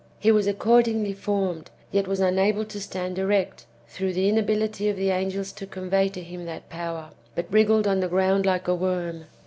" lie was accordingly formed, yet was unable to stand erect, through the inability of the angels to convey to him that power, but wriggled [on the ground] like a worm.